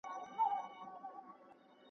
نه یې جنډۍ سته نه یې قبرونه .